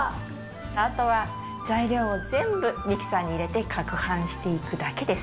あとは材料を全部ミキサーに入れて攪拌していくだけです。